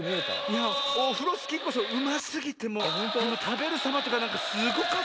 いやオフロスキーこそうますぎてもうたべるさまとかなんかすごかったわ。